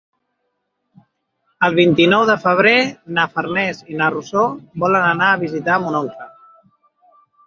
El vint-i-nou de febrer na Farners i na Rosó volen anar a visitar mon oncle.